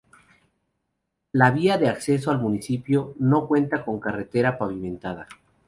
La via de acceso al municipio no cuenta con carretera pavimentada.